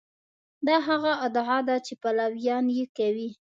دا هغه ادعا ده چې پلویان یې کوي.